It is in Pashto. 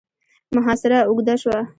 محاصره اوږده شوه.